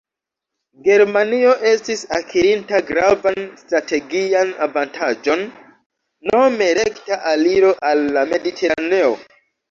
Germanio estis akirinta gravan strategian avantaĝon: nome rekta aliro al la Mediteraneo.